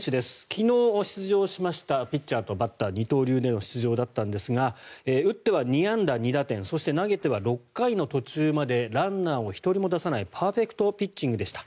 昨日、出場しましたピッチャーとバッター二刀流での出場だったんですが打っては２安打２打点そして投げては６回の途中までランナーを１人も出さないパーフェクトピッチングでした。